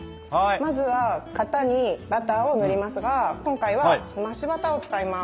まずは型にバターを塗りますが今回は「澄ましバター」を使います。